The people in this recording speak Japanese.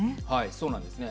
そうなんですね。